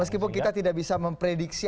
meskipun kita tidak bisa memprediksi